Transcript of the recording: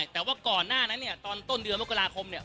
แต่ว่าก่อนหน้านั้นเนี่ยตอนต้นเดือนมกราคมเนี่ย